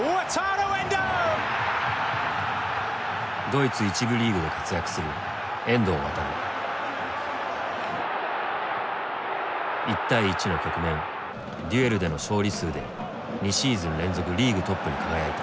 ドイツ１部リーグで活躍する１対１の局面「デュエル」での勝利数で２シーズン連続リーグトップに輝いた。